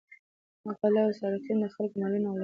غله او سارقین د خلکو مالونه غلا کوي.